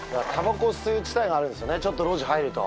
ちょっと路地入ると。